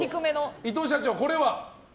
伊藤社長、これは？